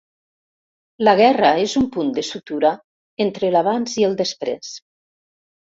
La guerra és un punt de sutura entre l'abans i el després.